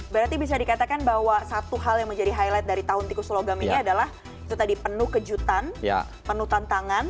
berarti bisa dikatakan bahwa satu hal yang menjadi highlight dari tahun tikus logam ini adalah itu tadi penuh kejutan penuh tantangan